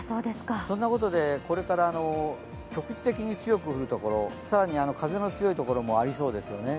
そんなことで、これから局地的に強く吹くところ、更に風の強いところもありそうですよね。